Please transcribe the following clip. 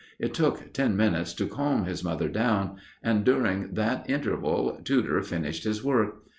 It took ten minutes to calm this mother down, and during that interval Tudor finished his work.